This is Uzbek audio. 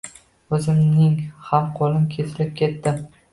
O`zimning ham qo`lim kesilib ketdi